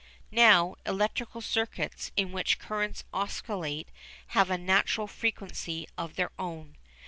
Now electrical circuits in which currents oscillate have a natural frequency of their own.